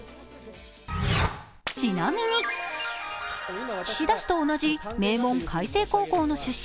ちなみに岸田氏と同じ名門・開成高校の出身。